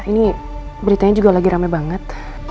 ini beritanya juga lagi rame banget